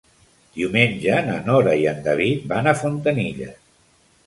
Diumenge na Nora i en David van a Fontanilles.